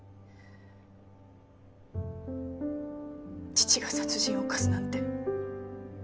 父が殺人を犯すなんて